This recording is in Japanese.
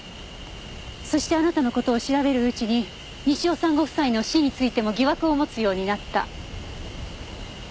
そしてあなたの事を調べるうちに西尾さんご夫妻の死についても疑惑を持つようになった。